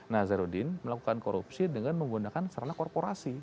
nazarudin melakukan korupsi dengan menggunakan sarana korporasi